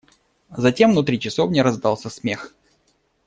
Затем внутри часовни раздался смех.